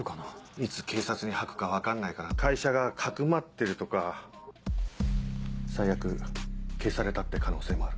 いつ警察に吐くか分かんないから会社がかくまってるとか最悪消されたって可能性もある。